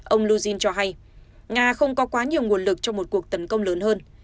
ông luzin cho hay nga không có quá nhiều nguồn lực cho một cuộc tấn công lớn hơn